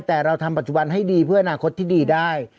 แต่เราทำปัจจุบันให้ดีเพื่ออนาคตที่ดีได้